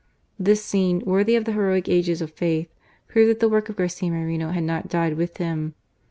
This scene, worthy of the heroic ages of faith, proved that the work of Garcia Moreno had not died | with him.